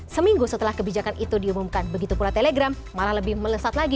seminggu setelah kebijakan itu diumumkan begitu pula telegram malah lebih melesat lagi